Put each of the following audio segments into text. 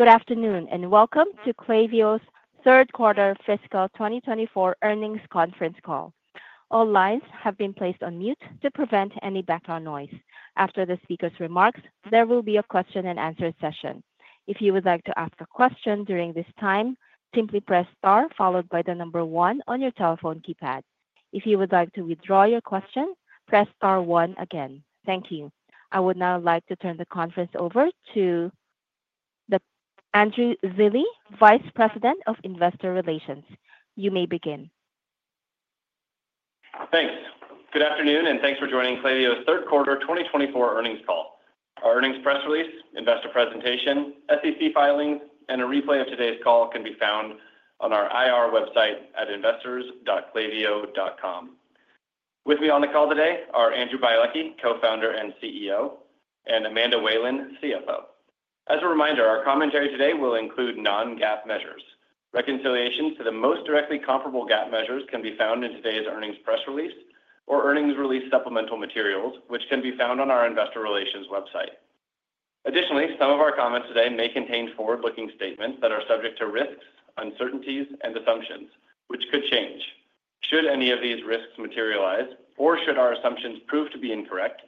Good afternoon and welcome to Klaviyo's third quarter fiscal 2024 earnings conference call. All lines have been placed on mute to prevent any background noise. After the speaker's remarks, there will be a question and answer session. If you would like to ask a question during this time, simply press star followed by the number one on your telephone keypad. If you would like to withdraw your question, press star one again. Thank you. I would now like to turn the conference over to Andrew Zilli, Vice President of Investor Relations. You may begin. Thanks. Good afternoon and thanks for joining Klaviyo's third quarter 2024 earnings call. Our earnings press release, investor presentation, SEC filings, and a replay of today's call can be found on our IR website at investors.klaviyo.com. With me on the call today are Andrew Bialecki, Co-founder and CEO, and Amanda Whalen, CFO. As a reminder, our commentary today will include non-GAAP measures. Reconciliations to the most directly comparable GAAP measures can be found in today's earnings press release or earnings release supplemental materials, which can be found on our investor relations website. Additionally, some of our comments today may contain forward-looking statements that are subject to risks, uncertainties, and assumptions, which could change. Should any of these risks materialize, or should our assumptions prove to be incorrect,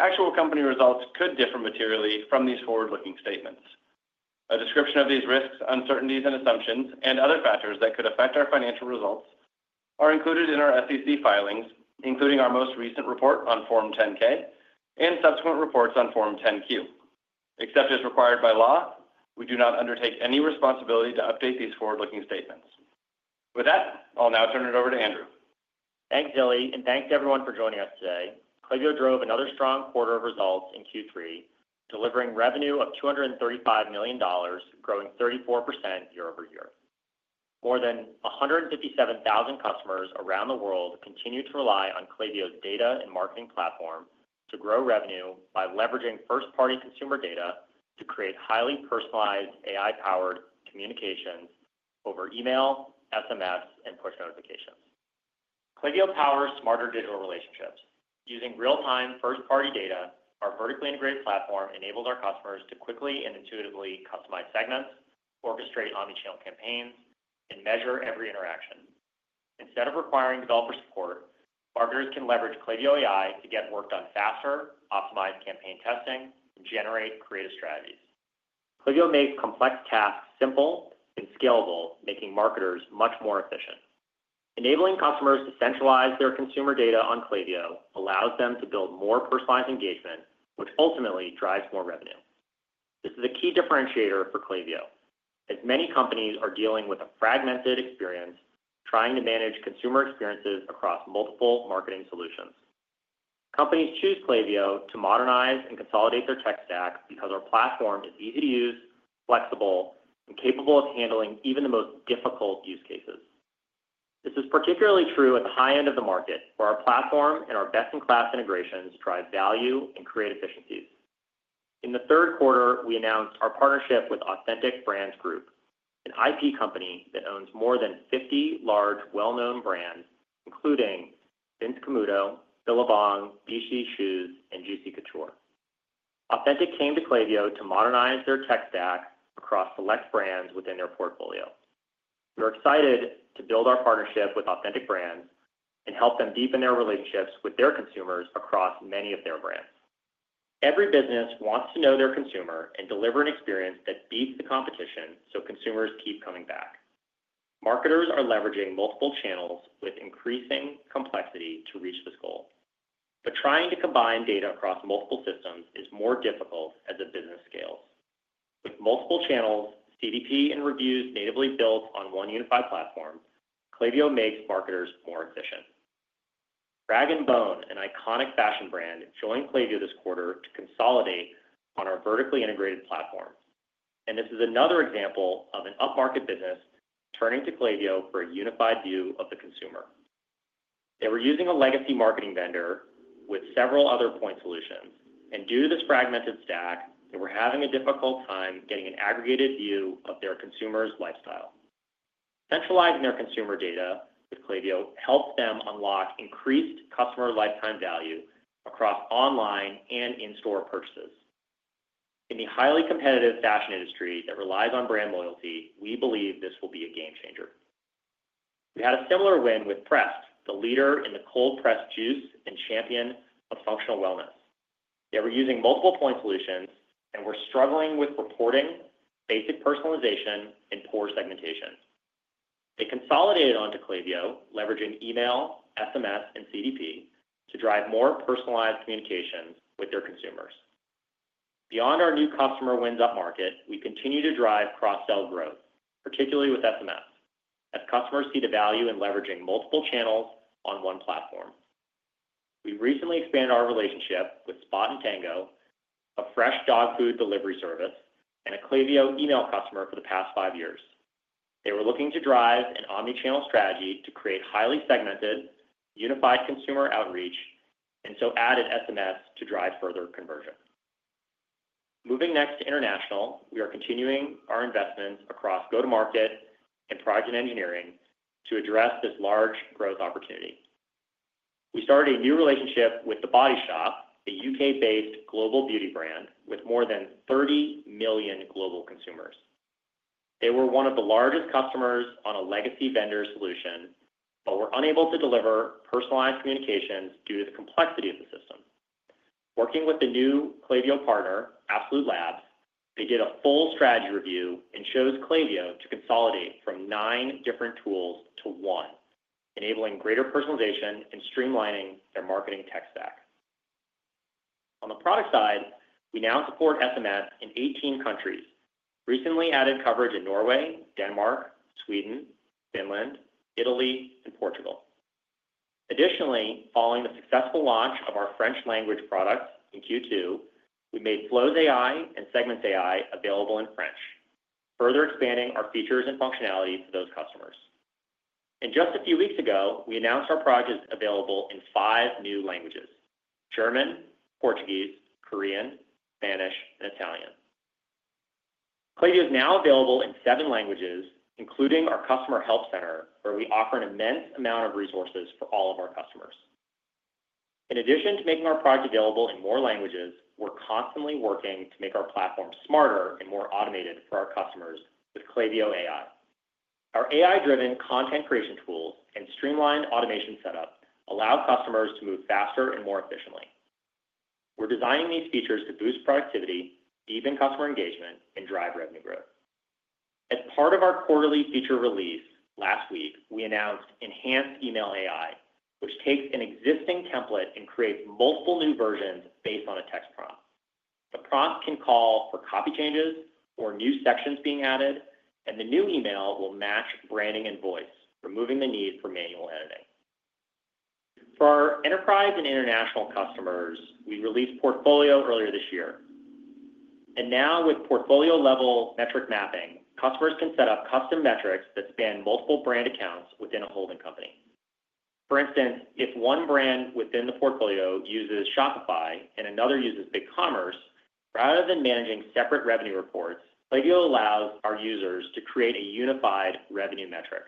actual company results could differ materially from these forward-looking statements. A description of these risks, uncertainties, and assumptions, and other factors that could affect our financial results are included in our SEC filings, including our most recent report on Form 10-K and subsequent reports on Form 10-Q. Except as required by law, we do not undertake any responsibility to update these forward-looking statements. With that, I'll now turn it over to Andrew. Thanks, Zilli, and thanks to everyone for joining us today. Klaviyo drove another strong quarter of results in Q3, delivering revenue of $235 million, growing 34% year-over-year. More than 157,000 customers around the world continue to rely on Klaviyo's data and marketing platform to grow revenue by leveraging first-party consumer data to create highly personalized, AI-powered communications over email, SMS, and push notifications. Klaviyo powers smarter digital relationships. Using real-time first-party data, our vertically integrated platform enables our customers to quickly and intuitively customize segments, orchestrate omnichannel campaigns, and measure every interaction. Instead of requiring developer support, marketers can leverage Klaviyo AI to get work done faster, optimize campaign testing, and generate creative strategies. Klaviyo makes complex tasks simple and scalable, making marketers much more efficient. Enabling customers to centralize their consumer data on Klaviyo allows them to build more personalized engagement, which ultimately drives more revenue. This is a key differentiator for Klaviyo, as many companies are dealing with a fragmented experience trying to manage consumer experiences across multiple marketing solutions. Companies choose Klaviyo to modernize and consolidate their tech stack because our platform is easy to use, flexible, and capable of handling even the most difficult use cases. This is particularly true at the high end of the market, where our platform and our best-in-class integrations drive value and create efficiencies. In the third quarter, we announced our partnership with Authentic Brands Group, an IP company that owns more than 50 large, well-known brands, including Vince Camuto, Billabong, Reebok, and Juicy Couture. Authentic came to Klaviyo to modernize their tech stack across select brands within their portfolio. We're excited to build our partnership with Authentic Brands and help them deepen their relationships with their consumers across many of their brands. Every business wants to know their consumer and deliver an experience that beats the competition so consumers keep coming back. Marketers are leveraging multiple channels with increasing complexity to reach this goal. But trying to combine data across multiple systems is more difficult as a business scales. With multiple channels, CDP, and reviews natively built on one unified platform, Klaviyo makes marketers more efficient. Rag & Bone, an iconic fashion brand, joined Klaviyo this quarter to consolidate on our vertically integrated platform and this is another example of an up-market business turning to Klaviyo for a unified view of the consumer. They were using a legacy marketing vendor with several other point solutions, and due to this fragmented stack, they were having a difficult time getting an aggregated view of their consumer's lifestyle. Centralizing their consumer data with Klaviyo helps them unlock increased customer lifetime value across online and in-store purchases. In the highly competitive fashion industry that relies on brand loyalty, we believe this will be a game changer. We had a similar win with Pressed, the leader in the cold-pressed juice and champion of functional wellness. They were using multiple point solutions and were struggling with reporting, basic personalization, and poor segmentation. They consolidated onto Klaviyo, leveraging email, SMS, and CDP to drive more personalized communications with their consumers. Beyond our new customer wins up market, we continue to drive cross-sell growth, particularly with SMS, as customers see the value in leveraging multiple channels on one platform. We recently expanded our relationship with Spot & Tango, a fresh dog food delivery service, and a Klaviyo email customer for the past five years. They were looking to drive an omnichannel strategy to create highly segmented, unified consumer outreach and so added SMS to drive further conversion. Moving next to international, we are continuing our investments across go-to-market and product and engineering to address this large growth opportunity. We started a new relationship with The Body Shop, a U.K.-based global beauty brand with more than 30 million global consumers. They were one of the largest customers on a legacy vendor solution, but were unable to deliver personalized communications due to the complexity of the system. Working with the new Klaviyo partner, Absolunet, they did a full strategy review and chose Klaviyo to consolidate from nine different tools to one, enabling greater personalization and streamlining their marketing tech stack. On the product side, we now support SMS in 18 countries, recently added coverage in Norway, Denmark, Sweden, Finland, Italy, and Portugal. Additionally, following the successful launch of our French-language products in Q2, we made Flows AI and Segments AI available in French, further expanding our features and functionality for those customers and just a few weeks ago, we announced our platform is available in five new languages: German, Portuguese, Korean, Spanish, and Italian. Klaviyo is now available in seven languages, including our customer help center, where we offer an immense amount of resources for all of our customers. In addition to making our product available in more languages, we're constantly working to make our platform smarter and more automated for our customers with Klaviyo AI. Our AI-driven content creation tools and streamlined automation setup allow customers to move faster and more efficiently. We're designing these features to boost productivity, deepen customer engagement, and drive revenue growth. As part of our quarterly feature release last week, we announced Enhanced Email AI, which takes an existing template and creates multiple new versions based on a text prompt. The prompt can call for copy changes or new sections being added, and the new email will match branding and voice, removing the need for manual editing. For our enterprise and international customers, we released Portfolio earlier this year, and now, with portfolio-level metric mapping, customers can set up custom metrics that span multiple brand accounts within a holding company. For instance, if one brand within the portfolio uses Shopify and another uses BigCommerce, rather than managing separate revenue reports, Klaviyo allows our users to create a unified revenue metric.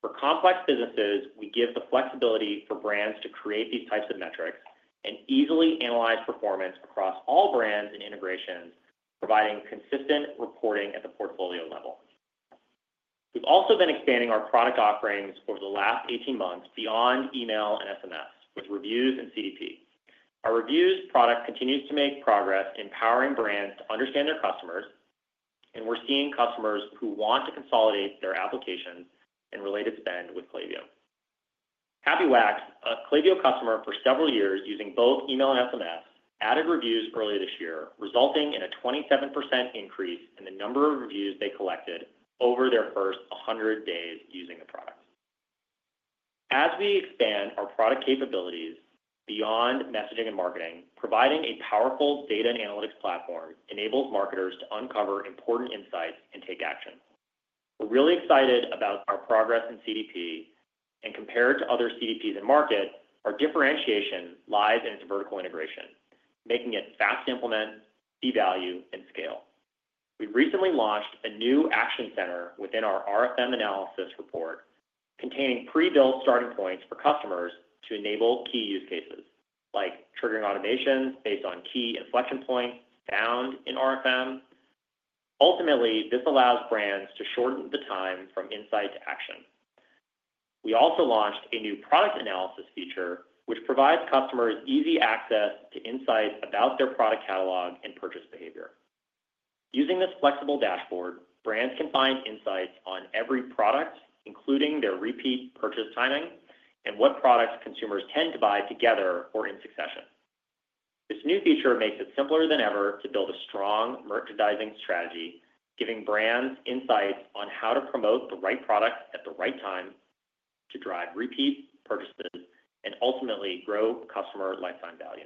For complex businesses, we give the flexibility for brands to create these types of metrics and easily analyze performance across all brands and integrations, providing consistent reporting at the portfolio level. We've also been expanding our product offerings over the last 18 months beyond email and SMS, with reviews and CDP. Our reviews product continues to make progress, empowering brands to understand their customers, and we're seeing customers who want to consolidate their applications and related spend with Klaviyo. Happy Wax, a Klaviyo customer for several years using both email and SMS, added reviews earlier this year, resulting in a 27% increase in the number of reviews they collected over their first 100 days using the product. As we expand our product capabilities beyond messaging and marketing, providing a powerful data and analytics platform enables marketers to uncover important insights and take action. We're really excited about our progress in CDP, and compared to other CDPs in market, our differentiation lies in its vertical integration, making it fast to implement, deliver value, and scale. We recently launched a new Action Center within our RFM analysis report, containing pre-built starting points for customers to enable key use cases, like triggering automations based on key inflection points found in RFM. Ultimately, this allows brands to shorten the time from insight to action. We also launched a new product analysis feature, which provides customers easy access to insights about their product catalog and purchase behavior. Using this flexible dashboard, brands can find insights on every product, including their repeat purchase timing and what products consumers tend to buy together or in succession. This new feature makes it simpler than ever to build a strong merchandising strategy, giving brands insights on how to promote the right product at the right time to drive repeat purchases and ultimately grow customer lifetime value.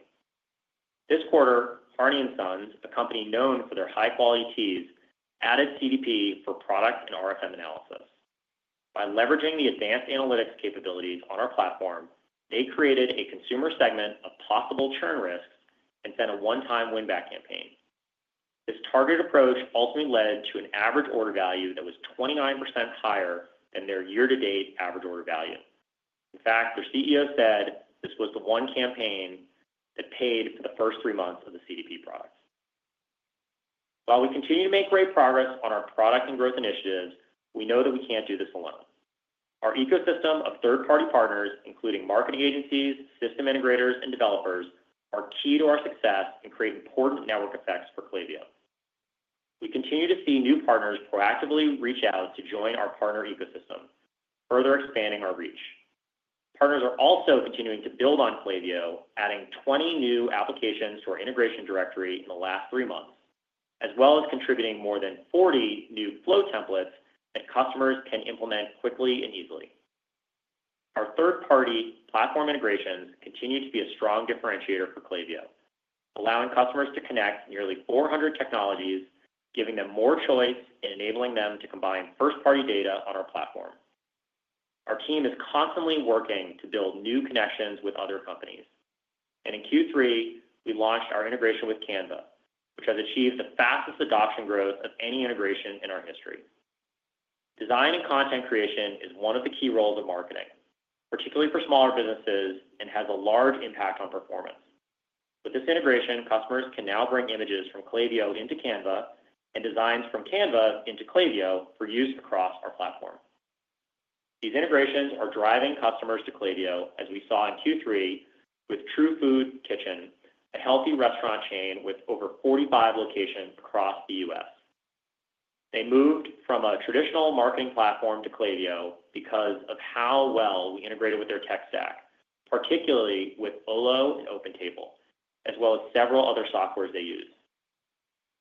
This quarter, Harney & Sons, a company known for their high-quality teas, added CDP for product and RFM analysis. By leveraging the advanced analytics capabilities on our platform, they created a consumer segment of possible churn risks and sent a one-time win-back campaign. This targeted approach ultimately led to an average order value that was 29% higher than their year-to-date average order value. In fact, their CEO said this was the one campaign that paid for the first three months of the CDP products. While we continue to make great progress on our product and growth initiatives, we know that we can't do this alone. Our ecosystem of third-party partners, including marketing agencies, system integrators, and developers, are key to our success and create important network effects for Klaviyo. We continue to see new partners proactively reach out to join our partner ecosystem, further expanding our reach. Partners are also continuing to build on Klaviyo, adding 20 new applications to our integration directory in the last three months, as well as contributing more than 40 new flow templates that customers can implement quickly and easily. Our third-party platform integrations continue to be a strong differentiator for Klaviyo, allowing customers to connect nearly 400 technologies, giving them more choice and enabling them to combine first-party data on our platform. Our team is constantly working to build new connections with other companies, and in Q3, we launched our integration with Canva, which has achieved the fastest adoption growth of any integration in our history. Design and content creation is one of the key roles of marketing, particularly for smaller businesses, and has a large impact on performance. With this integration, customers can now bring images from Klaviyo into Canva and designs from Canva into Klaviyo for use across our platform. These integrations are driving customers to Klaviyo, as we saw in Q3 with True Food Kitchen, a healthy restaurant chain with over 45 locations across the U.S. They moved from a traditional marketing platform to Klaviyo because of how well we integrated with their tech stack, particularly with Olo and OpenTable, as well as several other softwares they use.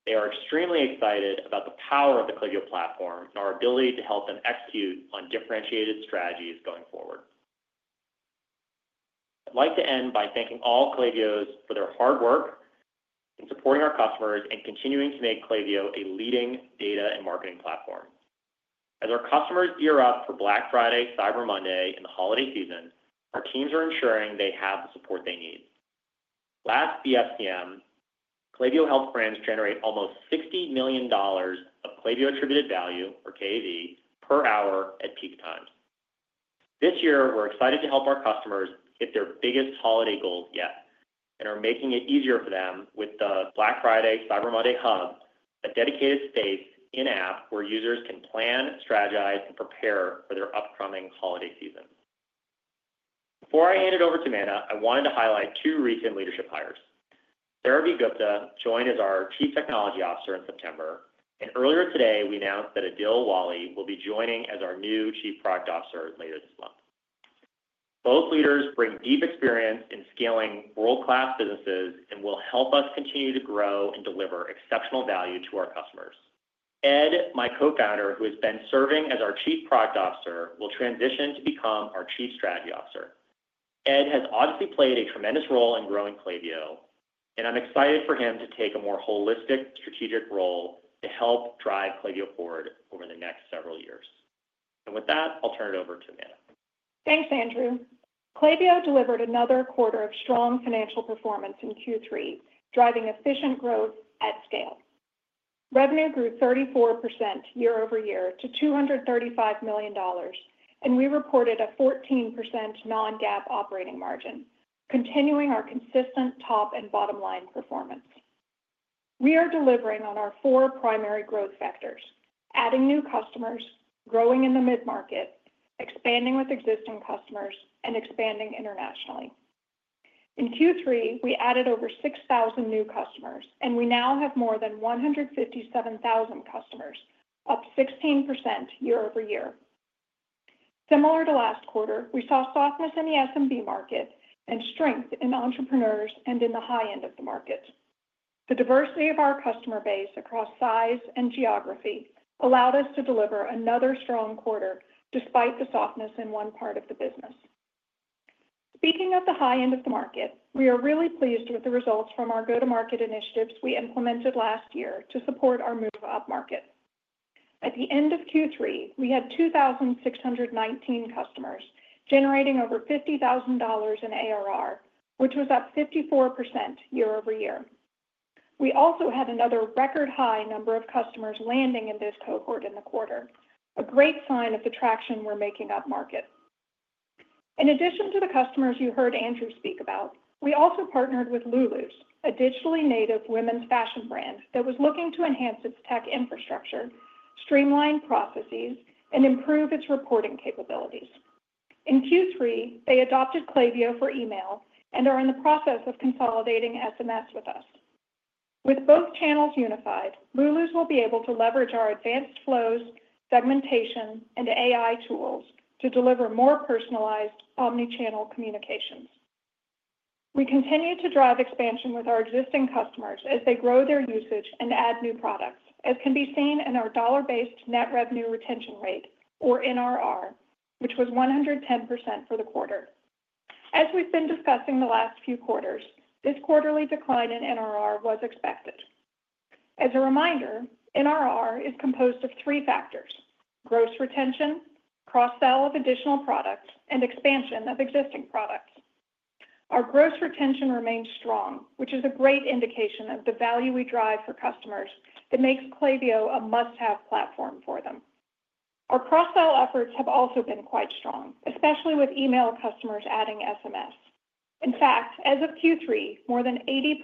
They are extremely excited about the power of the Klaviyo platform and our ability to help them execute on differentiated strategies going forward. I'd like to end by thanking all Klaviyos for their hard work in supporting our customers and continuing to make Klaviyo a leading data and marketing platform. As our customers gear up for Black Friday, Cyber Monday, and the holiday season, our teams are ensuring they have the support they need. Last BFCM, Klaviyo helped brands generate almost $60 million of Klaviyo Attributed Value, or KAV, per hour at peak times. This year, we're excited to help our customers hit their biggest holiday goals yet and are making it easier for them with the Black Friday Cyber Monday Hub, a dedicated space in-app where users can plan, strategize, and prepare for their upcoming holiday season. Before I hand it over to Amanda, I wanted to highlight two recent leadership hires. Tejaswi Gupta joined as our Chief Technology Officer in September, and earlier today, we announced that Adil Wali will be joining as our new Chief Product Officer later this month. Both leaders bring deep experience in scaling world-class businesses and will help us continue to grow and deliver exceptional value to our customers. Ed, my co-founder, who has been serving as our Chief Product Officer, will transition to become our Chief Strategy Officer. Ed has obviously played a tremendous role in growing Klaviyo, and I'm excited for him to take a more holistic strategic role to help drive Klaviyo forward over the next several years. With that, I'll turn it over to Amanda. Thanks, Andrew. Klaviyo delivered another quarter of strong financial performance in Q3, driving efficient growth at scale. Revenue grew 34% year-over-year to $235 million, and we reported a 14% non-GAAP operating margin, continuing our consistent top and bottom line performance. We are delivering on our four primary growth factors: adding new customers, growing in the mid-market, expanding with existing customers, and expanding internationally. In Q3, we added over 6,000 new customers, and we now have more than 157,000 customers, up 16% year-over-year. Similar to last quarter, we saw softness in the SMB market and strength in entrepreneurs and in the high end of the market. The diversity of our customer base across size and geography allowed us to deliver another strong quarter despite the softness in one part of the business. Speaking of the high end of the market, we are really pleased with the results from our go-to-market initiatives we implemented last year to support our move-up market. At the end of Q3, we had 2,619 customers generating over $50,000 in ARR, which was up 54% year-over-year. We also had another record high number of customers landing in this cohort in the quarter, a great sign of the traction we're making up market. In addition to the customers you heard Andrew speak about, we also partnered with Lulus, a digitally native women's fashion brand that was looking to enhance its tech infrastructure, streamline processes, and improve its reporting capabilities. In Q3, they adopted Klaviyo for email and are in the process of consolidating SMS with us. With both channels unified, Lulus will be able to leverage our advanced flows, segmentation, and AI tools to deliver more personalized omnichannel communications. We continue to drive expansion with our existing customers as they grow their usage and add new products, as can be seen in our dollar-based net revenue retention rate, or NRR, which was 110% for the quarter. As we've been discussing the last few quarters, this quarterly decline in NRR was expected. As a reminder, NRR is composed of three factors: gross retention, cross-sell of additional products, and expansion of existing products. Our gross retention remains strong, which is a great indication of the value we drive for customers that makes Klaviyo a must-have platform for them. Our cross-sell efforts have also been quite strong, especially with email customers adding SMS. In fact, as of Q3, more than 80%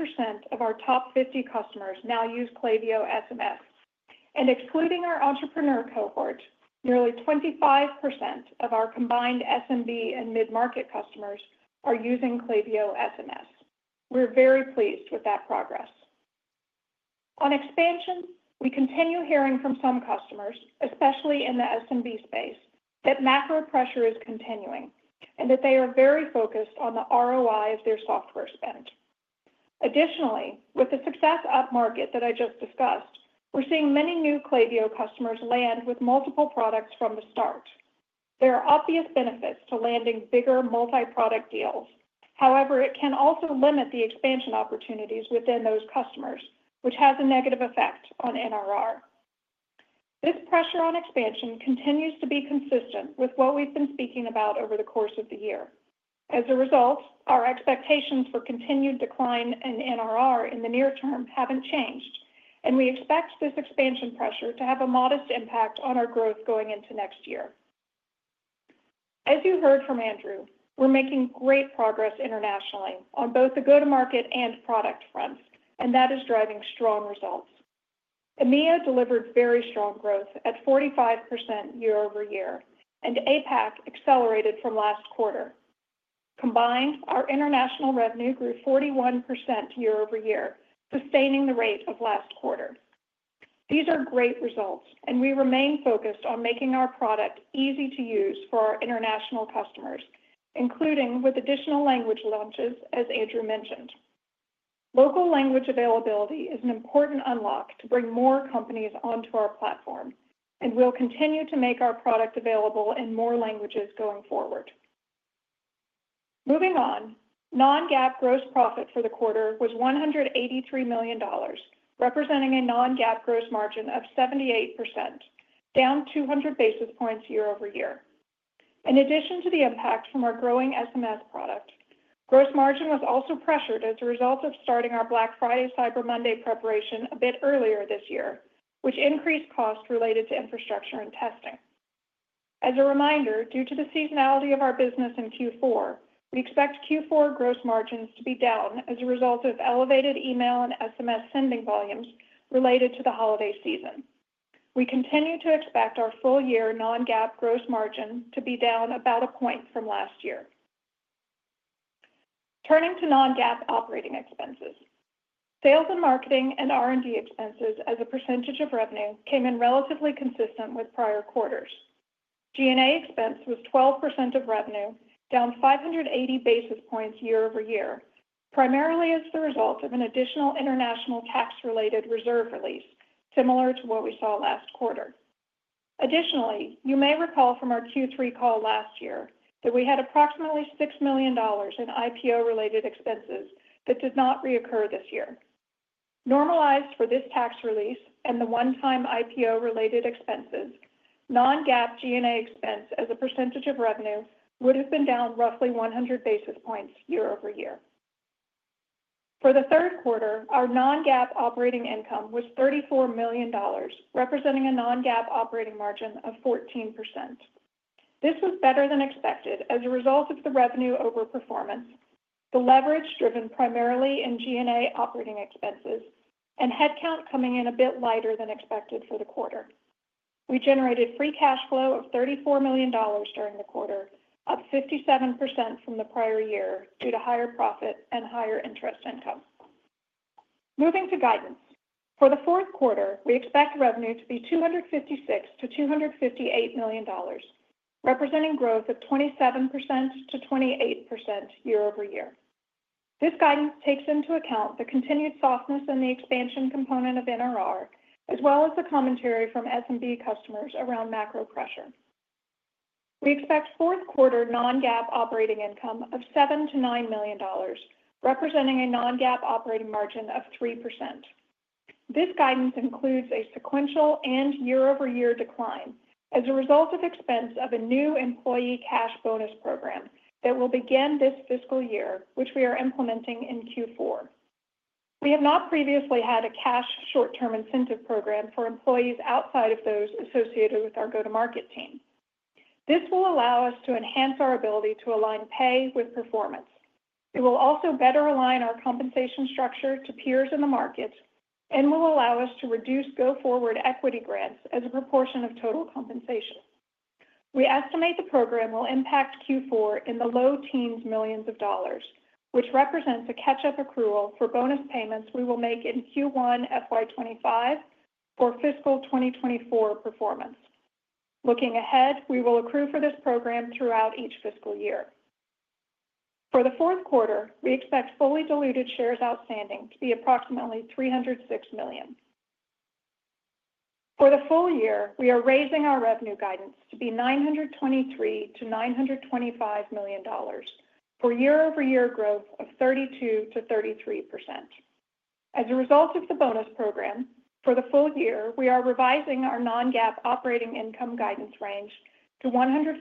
of our top 50 customers now use Klaviyo SMS. Excluding our entrepreneur cohort, nearly 25% of our combined SMB and mid-market customers are using Klaviyo SMS. We're very pleased with that progress. On expansion, we continue hearing from some customers, especially in the SMB space, that macro pressure is continuing and that they are very focused on the ROI of their software spend. Additionally, with the success up market that I just discussed, we're seeing many new Klaviyo customers land with multiple products from the start. There are obvious benefits to landing bigger multi-product deals. However, it can also limit the expansion opportunities within those customers, which has a negative effect on NRR. This pressure on expansion continues to be consistent with what we've been speaking about over the course of the year. As a result, our expectations for continued decline in NRR in the near term haven't changed, and we expect this expansion pressure to have a modest impact on our growth going into next year. As you heard from Andrew, we're making great progress internationally on both the go-to-market and product fronts, and that is driving strong results. EMEA delivered very strong growth at 45% year-over-year, and APAC accelerated from last quarter. Combined, our international revenue grew 41% year-over-year, sustaining the rate of last quarter. These are great results, and we remain focused on making our product easy to use for our international customers, including with additional language launches, as Andrew mentioned. Local language availability is an important unlock to bring more companies onto our platform, and we'll continue to make our product available in more languages going forward. Moving on, non-GAAP gross profit for the quarter was $183 million, representing a non-GAAP gross margin of 78%, down 200 basis points year-over-year. In addition to the impact from our growing SMS product, gross margin was also pressured as a result of starting our Black Friday Cyber Monday preparation a bit earlier this year, which increased costs related to infrastructure and testing. As a reminder, due to the seasonality of our business in Q4, we expect Q4 gross margins to be down as a result of elevated email and SMS sending volumes related to the holiday season. We continue to expect our full-year non-GAAP gross margin to be down about a point from last year. Turning to non-GAAP operating expenses, sales and marketing and R&D expenses as a percentage of revenue came in relatively consistent with prior quarters. G&A expense was 12% of revenue, down 580 basis points year-over-year, primarily as the result of an additional international tax-related reserve release, similar to what we saw last quarter. Additionally, you may recall from our Q3 call last year that we had approximately $6 million in IPO-related expenses that did not reoccur this year. Normalized for this tax release and the one-time IPO-related expenses, Non-GAAP G&A expense as a percentage of revenue would have been down roughly 100 basis points year-over-year. For the third quarter, our Non-GAAP operating income was $34 million, representing a Non-GAAP operating margin of 14%. This was better than expected as a result of the revenue overperformance, the leverage driven primarily in G&A operating expenses, and headcount coming in a bit lighter than expected for the quarter. We generated free cash flow of $34 million during the quarter, up 57% from the prior year due to higher profit and higher interest income. Moving to guidance. For the fourth quarter, we expect revenue to be $256-$258 million, representing growth of 27%-28% year-over-year. This guidance takes into account the continued softness in the expansion component of NRR, as well as the commentary from SMB customers around macro pressure. We expect fourth quarter non-GAAP operating income of $7-$9 million, representing a non-GAAP operating margin of 3%. This guidance includes a sequential and year-over-year decline as a result of expense of a new employee cash bonus program that will begin this fiscal year, which we are implementing in Q4. We have not previously had a cash short-term incentive program for employees outside of those associated with our go-to-market team. This will allow us to enhance our ability to align pay with performance. It will also better align our compensation structure to peers in the market and will allow us to reduce go-forward equity grants as a proportion of total compensation. We estimate the program will impact Q4 in the low teens of millions of dollars, which represents a catch-up accrual for bonus payments we will make in Q1 FY25 for fiscal 2024 performance. Looking ahead, we will accrue for this program throughout each fiscal year. For the fourth quarter, we expect fully diluted shares outstanding to be approximately 306 million. For the full year, we are raising our revenue guidance to be $923-$925 million for year-over-year growth of 32%-33%. As a result of the bonus program, for the full year, we are revising our non-GAAP operating income guidance range to $104-$106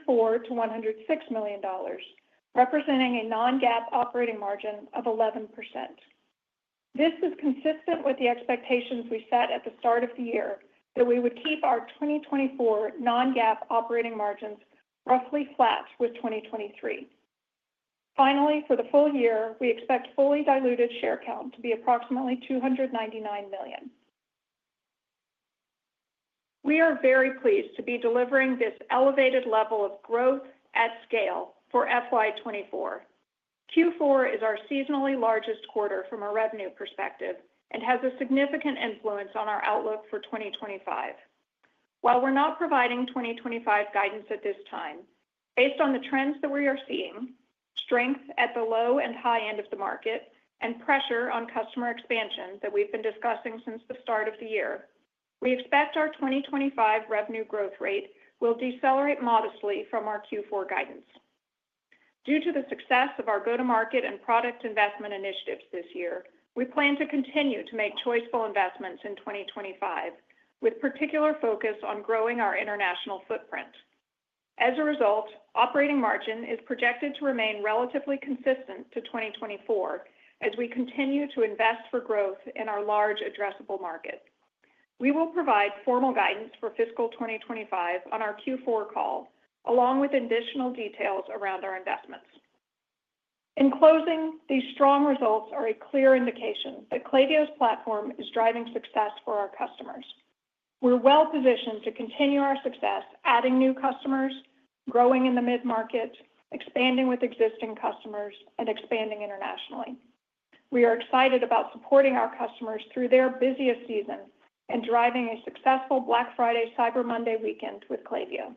million, representing a non-GAAP operating margin of 11%. This is consistent with the expectations we set at the start of the year that we would keep our 2024 non-GAAP operating margins roughly flat with 2023. Finally, for the full year, we expect fully diluted share count to be approximately 299 million. We are very pleased to be delivering this elevated level of growth at scale for FY24. Q4 is our seasonally largest quarter from a revenue perspective and has a significant influence on our outlook for 2025. While we're not providing 2025 guidance at this time, based on the trends that we are seeing, strength at the low and high end of the market, and pressure on customer expansion that we've been discussing since the start of the year, we expect our 2025 revenue growth rate will decelerate modestly from our Q4 guidance. Due to the success of our go-to-market and product investment initiatives this year, we plan to continue to make choiceful investments in 2025, with particular focus on growing our international footprint. As a result, operating margin is projected to remain relatively consistent to 2024 as we continue to invest for growth in our large addressable market. We will provide formal guidance for fiscal 2025 on our Q4 call, along with additional details around our investments. In closing, these strong results are a clear indication that Klaviyo's platform is driving success for our customers. We're well-positioned to continue our success, adding new customers, growing in the mid-market, expanding with existing customers, and expanding internationally. We are excited about supporting our customers through their busiest season and driving a successful Black Friday Cyber Monday weekend with Klaviyo.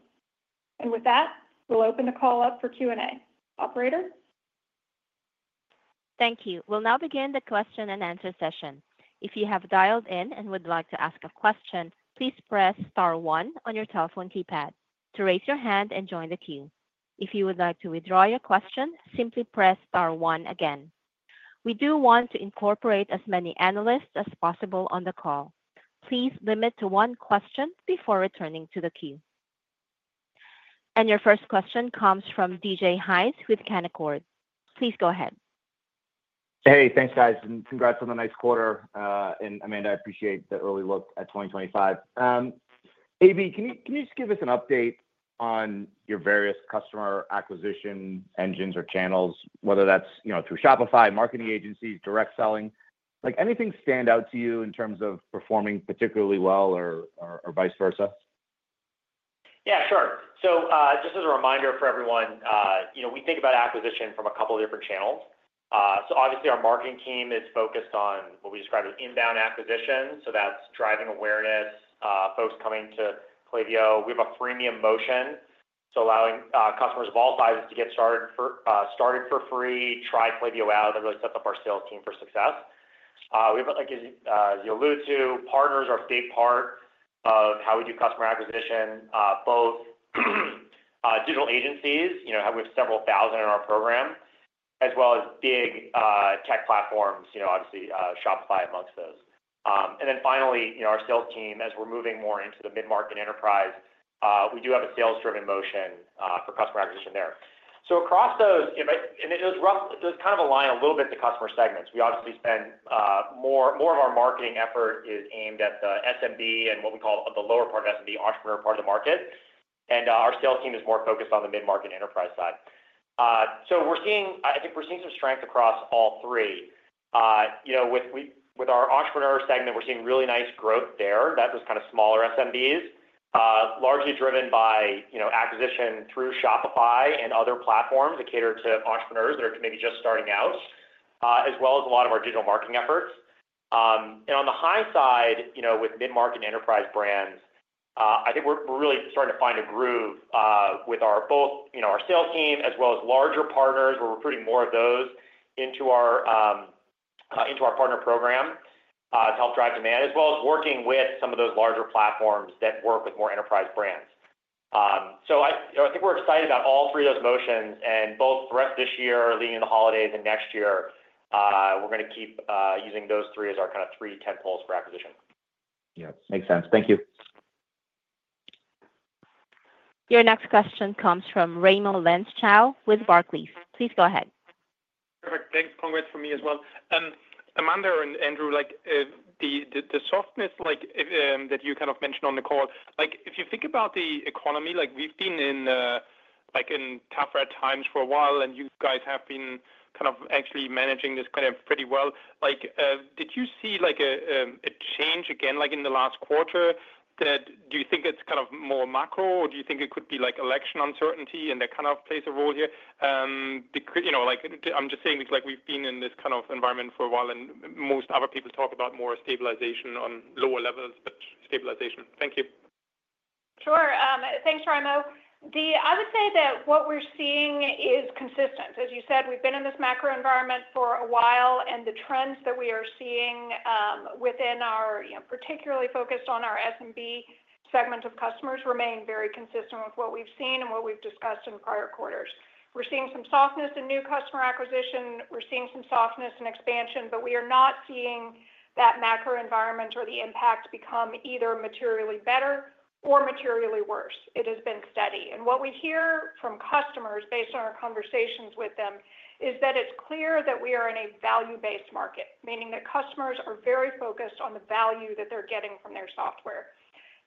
With that, we'll open the call up for Q&A. Operator? Thank you. We'll now begin the question and answer session. If you have dialed in and would like to ask a question, please press star one on your telephone keypad to raise your hand and join the queue. If you would like to withdraw your question, simply press star one again. We do want to incorporate as many analysts as possible on the call. Please limit to one question before returning to the queue. Your first question comes from DJ Hynes with Canaccord Genuity. Please go ahead. Hey, thanks, guys, and congrats on the nice quarter. Amanda, I appreciate the early look at 2025. AB, can you just give us an update on your various customer acquisition engines or channels, whether that's through Shopify, marketing agencies, direct selling? Anything stand out to you in terms of performing particularly well or vice versa? Yeah, sure. So just as a reminder for everyone, we think about acquisition from a couple of different channels. So obviously, our marketing team is focused on what we describe as inbound acquisition. So that's driving awareness, folks coming to Klaviyo. We have a freemium motion to allow customers of all sizes to get started for free, try Klaviyo out, and really set up our sales team for success. As you alluded to, partners are a big part of how we do customer acquisition, both digital agencies, with several thousand in our program, as well as big tech platforms, obviously, Shopify amongst those. Then finally, our sales team, as we're moving more into the mid-market enterprise, we do have a sales-driven motion for customer acquisition there. So across those, and it does kind of align a little bit to customer segments. We obviously spend more of our marketing efforts are aimed at the SMB and what we call the lower part of SMB, entrepreneur part of the market, and our sales team is more focused on the mid-market enterprise side, so I think we're seeing some strength across all three. With our entrepreneur segment, we're seeing really nice growth there. That was kind of smaller SMBs, largely driven by acquisition through Shopify and other platforms that cater to entrepreneurs that are maybe just starting out, as well as a lot of our digital marketing efforts, and on the high side, with mid-market enterprise brands, I think we're really starting to find a groove with both our sales team as well as larger partners. We're recruiting more of those into our partner program to help drive demand, as well as working with some of those larger platforms that work with more enterprise brands. So I think we're excited about all three of those motions and both the rest of this year, leading into the holidays and next year, we're going to keep using those three as our kind of three tentpoles for acquisition. Yes. Makes sense. Thank you. Your next question comes from Raimo Lenschow with Barclays. Please go ahead. Perfect. Thanks. Congrats for me as well. Amanda and Andrew, the softness that you kind of mentioned on the call, if you think about the economy, we've been in tougher times for a while, and you guys have been kind of actually managing this kind of pretty well. Did you see a change again in the last quarter? Do you think it's kind of more macro, or do you think it could be election uncertainty and that kind of plays a role here? I'm just saying we've been in this kind of environment for a while, and most other people talk about more stabilization on lower levels, but stabilization. Thank you. Sure. Thanks, Raimo. I would say that what we're seeing is consistent. As you said, we've been in this macro environment for a while, and the trends that we are seeing within our particularly focused on our SMB segment of customers remain very consistent with what we've seen and what we've discussed in prior quarters. We're seeing some softness in new customer acquisition. We're seeing some softness in expansion, but we are not seeing that macro environment or the impact become either materially better or materially worse. It has been steady. What we hear from customers, based on our conversations with them, is that it's clear that we are in a value-based market, meaning that customers are very focused on the value that they're getting from their software.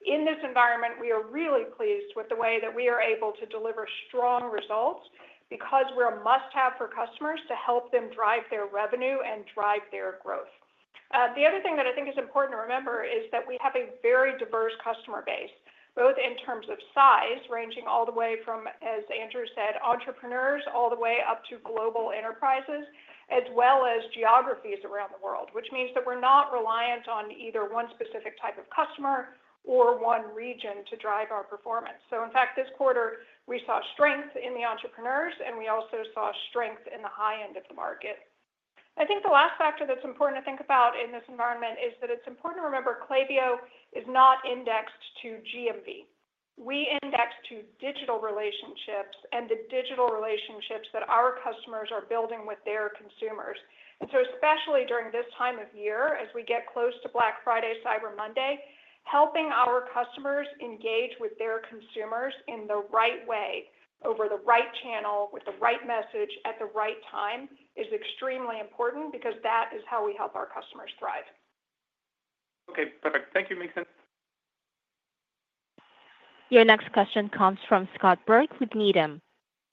In this environment, we are really pleased with the way that we are able to deliver strong results because we're a must-have for customers to help them drive their revenue and drive their growth. The other thing that I think is important to remember is that we have a very diverse customer base, both in terms of size, ranging all the way from, as Andrew said, entrepreneurs, all the way up to global enterprises, as well as geographies around the world, which means that we're not reliant on either one specific type of customer or one region to drive our performance. So in fact, this quarter, we saw strength in the entrepreneurs, and we also saw strength in the high end of the market. I think the last factor that's important to think about in this environment is that it's important to remember Klaviyo is not indexed to GMV. We index to digital relationships and the digital relationships that our customers are building with their consumers. So especially during this time of year, as we get close to Black Friday, Cyber Monday, helping our customers engage with their consumers in the right way, over the right channel, with the right message at the right time is extremely important because that is how we help our customers thrive. Okay. Perfect. Thank you. Makes sense. Your next question comes from Scott Berg with Needham.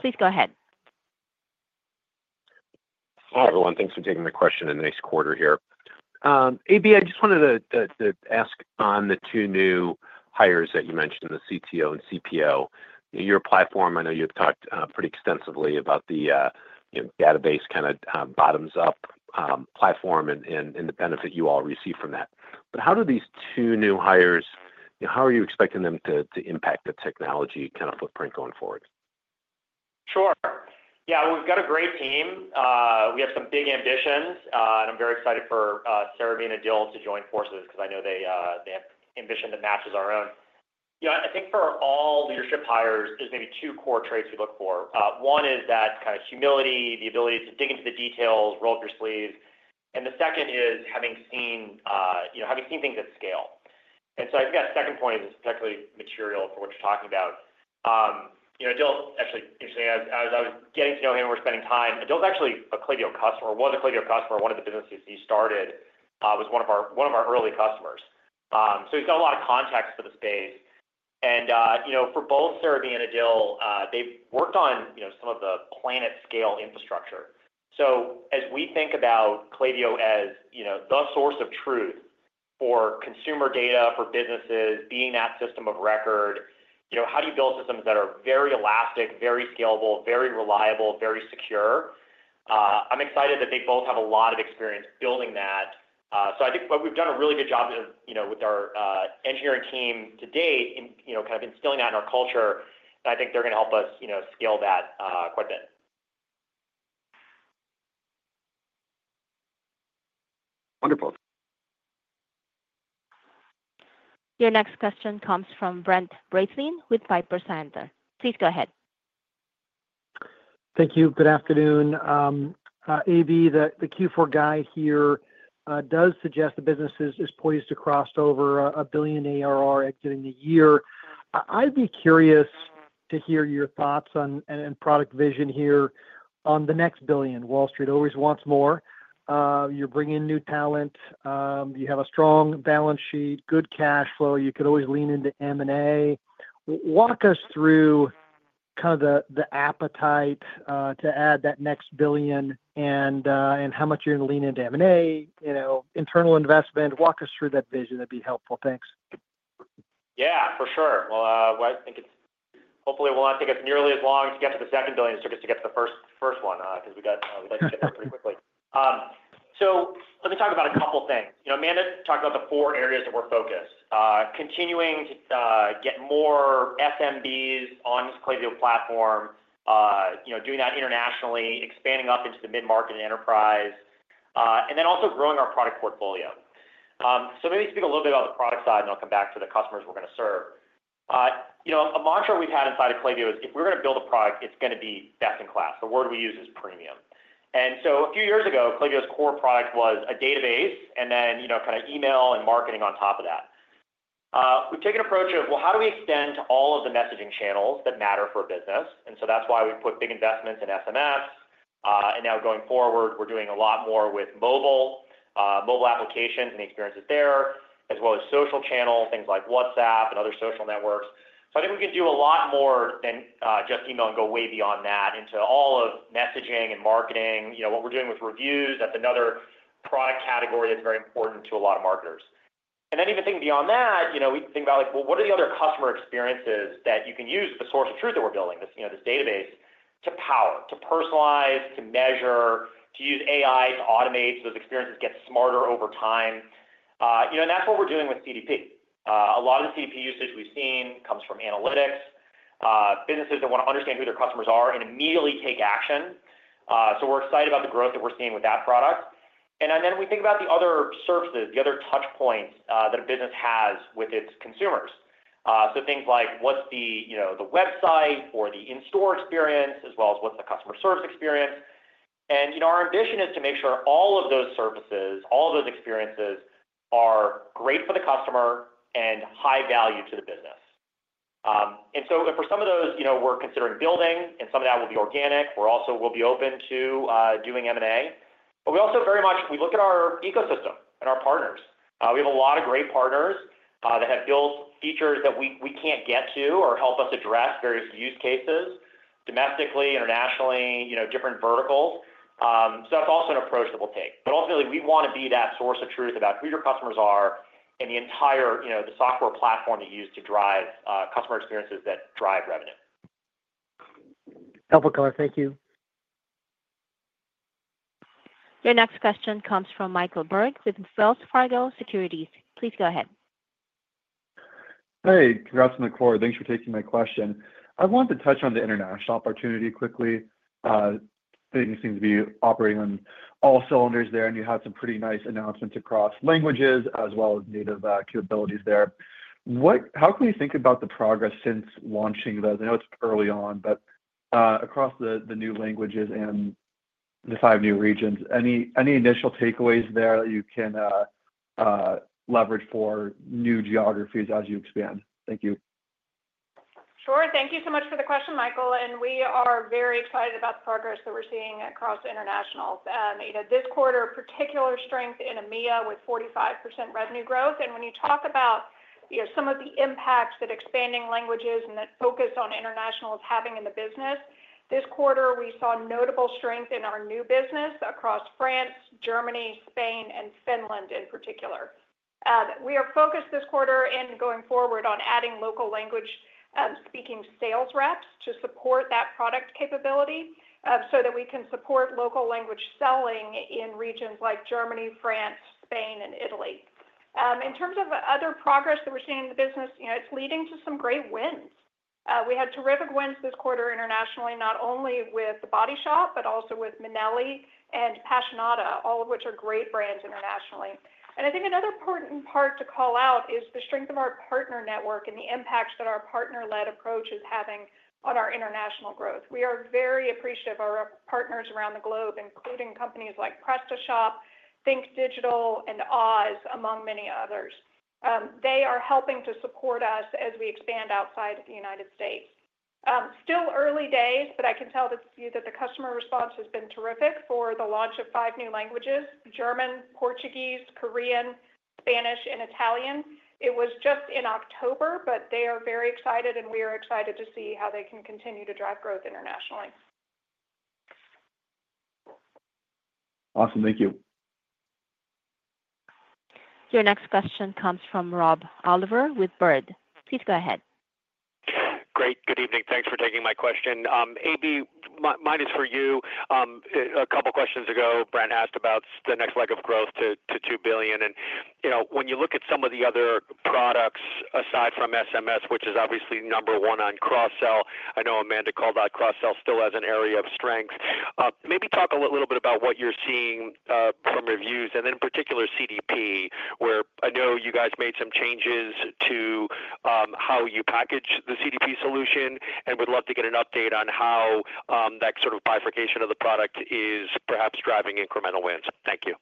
Please go ahead. Hi, everyone. Thanks for taking the question in the nice quarter here. AB, I just wanted to ask on the two new hires that you mentioned, the CTO and CPO. Your platform, I know you've talked pretty extensively about the database kind of bottoms-up platform and the benefit you all receive from that. But how do these two new hires, how are you expecting them to impact the technology kind of footprint going forward? Sure. Yeah. We've got a great team. We have some big ambitions. I'm very excited for Tejaswi Gupta and Adil Wali to join forces because I know they have ambition that matches our own. I think for all leadership hires, there's maybe two core traits we look for. One is that kind of humility, the ability to dig into the details, roll up your sleeves, and the second is having seen things at scale. So I think that second point is particularly material for what you're talking about. Adil, actually, interestingly, as I was getting to know him and we're spending time, Adil's actually a Klaviyo customer. Was a Klaviyo customer. One of the businesses he started was one of our early customers. So he's got a lot of context for the space, and for both Tejaswi Gupta and Adil, they've worked on some of the planet-scale infrastructure. So as we think about Klaviyo as the source of truth for consumer data, for businesses, being that system of record, how do you build systems that are very elastic, very scalable, very reliable, very secure? I'm excited that they both have a lot of experience building that. So I think we've done a really good job with our engineering team to date in kind of instilling that in our culture and I think they're going to help us scale that quite a bit. Wonderful. Your next question comes from Brent Bracelin with Piper Sandler. Please go ahead. Thank you. Good afternoon. AB, the Q4 guide here does suggest the business is poised to cross over a billion ARR exiting the year. I'd be curious to hear your thoughts and product vision here on the next billion. Wall Street always wants more. You're bringing in new talent. You have a strong balance sheet, good cash flow. You could always lean into M&A. Walk us through kind of the appetite to add that next billion and how much you're going to lean into M&A, internal investment. Walk us through that vision. That'd be helpful. Thanks. Yeah, for sure. I think it's hopefully, it will not take us nearly as long to get to the second billion as it took us to get to the first one because we'd like to get there pretty quickly. So let me talk about a couple of things. Amanda talked about the four areas that we're focused, continuing to get more SMBs on this Klaviyo platform, doing that internationally, expanding up into the mid-market enterprise, and then also growing our product portfolio. So maybe speak a little bit about the product side, and I'll come back to the customers we're going to serve. A mantra we've had inside of Klaviyo is if we're going to build a product, it's going to be best in class. The word we use is premium. A few years ago, Klaviyo's core product was a database and then kind of email and marketing on top of that. We've taken an approach of, well, how do we extend to all of the messaging channels that matter for a business? That's why we've put big investments in SMS. Now going forward, we're doing a lot more with mobile applications and the experiences there, as well as social channels, things like WhatsApp and other social networks. I think we can do a lot more than just email and go way beyond that into all of messaging and marketing. What we're doing with reviews, that's another product category that's very important to a lot of marketers. And then even thinking beyond that, we think about, well, what are the other customer experiences that you can use the source of truth that we're building, this database, to power, to personalize, to measure, to use AI to automate so those experiences get smarter over time? That's what we're doing with CDP. A lot of the CDP usage we've seen comes from analytics, businesses that want to understand who their customers are and immediately take action. So we're excited about the growth that we're seeing with that product. Then we think about the other services, the other touchpoints that a business has with its consumers. So things like what's the website or the in-store experience, as well as what's the customer service experience. Our ambition is to make sure all of those services, all of those experiences are great for the customer and high value to the business. So for some of those, we're considering building, and some of that will be organic. We'll be open to doing M&A. But we also very much look at our ecosystem and our partners. We have a lot of great partners that have built features that we can't get to or help us address various use cases domestically, internationally, different verticals. So that's also an approach that we'll take. But ultimately, we want to be that source of truth about who your customers are and the entire software platform you use to drive customer experiences that drive revenue. Helpful color. Thank you. Your next question comes from Michael Turrin with Wells Fargo Securities. Please go ahead. Hey, congrats on the quater. Thanks for taking my question. I wanted to touch on the international opportunity quickly. Things seem to be operating on all cylinders there, and you had some pretty nice announcements across languages as well as native capabilities there. How can we think about the progress since launching those? I know it's early on, but across the new languages and the five new regions, any initial takeaways there that you can leverage for new geographies as you expand? Thank you. Sure. Thank you so much for the question, Michael. We are very excited about the progress that we're seeing across internationals. This quarter, particular strength in EMEA with 45% revenue growth. When you talk about some of the impacts that expanding languages and that focus on international is having in the business, this quarter, we saw notable strength in our new business across France, Germany, Spain, and Finland in particular. We are focused this quarter and going forward on adding local language-speaking sales reps to support that product capability so that we can support local language selling in regions like Germany, France, Spain, and Italy. In terms of other progress that we're seeing in the business, it's leading to some great wins. We had terrific wins this quarter internationally, not only with The Body Shop, but also with Minelli and Passionata, all of which are great brands internationally. I think another important part to call out is the strength of our partner network and the impact that our partner-led approach is having on our international growth. We are very appreciative of our partners around the globe, including companies like PrestaShop, TechDivision, and Ozeo, among many others. They are helping to support us as we expand outside of the United States. Still early days, but I can tell that the customer response has been terrific for the launch of five new languages: German, Portuguese, Korean, Spanish, and Italian. It was just in October, but they are very excited, and we are excited to see how they can continue to drive growth internationally. Awesome. Thank you. Your next question comes from Rob Oliver with Baird. Please go ahead. Great. Good evening. Thanks for taking my question. AB, mine is for you. A couple of questions ago, Brent asked about the next leg of growth to 2 billion. When you look at some of the other products aside from SMS, which is obviously number one on cross-sell, I know Amanda called out cross-sell still as an area of strength. Maybe talk a little bit about what you're seeing from reviews, and then in particular, CDP, where I know you guys made some changes to how you package the CDP solution and would love to get an update on how that sort of bifurcation of the product is perhaps driving incremental wins. Thank you.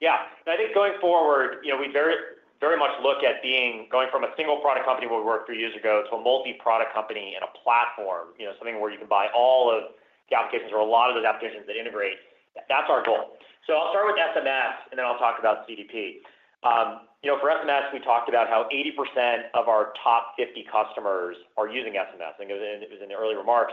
Yeah. I think going forward, we very much look at going from a single product company where we worked three years ago to a multi-product company and a platform, something where you can buy all of the applications or a lot of those applications that integrate. That's our goal. So I'll start with SMS, and then I'll talk about CDP. For SMS, we talked about how 80% of our top 50 customers are using SMS. I think it was in the early remarks.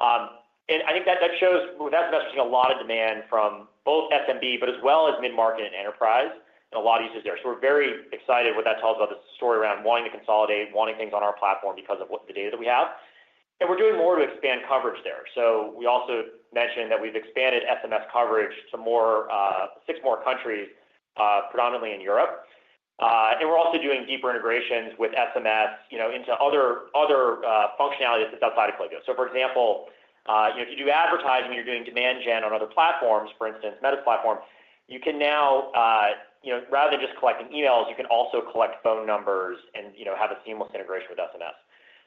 I think that shows with SMS, we're seeing a lot of demand from both SMB, but as well as mid-market and enterprise, and a lot of uses there. So we're very excited what that tells about the story around wanting to consolidate, wanting things on our platform because of the data that we have, and we're doing more to expand coverage there. So we also mentioned that we've expanded SMS coverage to six more countries, predominantly in Europe. We're also doing deeper integrations with SMS into other functionalities that's outside of Klaviyo. So, for example, if you do advertising and you're doing demand gen on other platforms, for instance, Meta's platform, you can now, rather than just collecting emails, you can also collect phone numbers and have a seamless integration with SMS.